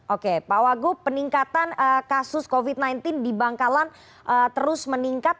oke pak wagub peningkatan kasus covid sembilan belas di bangkalan terus meningkat